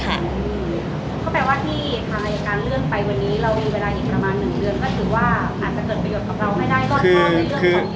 ก็แปลว่าที่ทางรายการเรื่องไปวันนี้เรามีเวลาอีกประมาณ๑เดือนก็ถือว่าอาจจะเกิดประโยชน์กับเราให้ได้